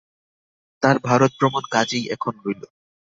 তাঁর ভারতভ্রমণ কাজেই এখন রইল।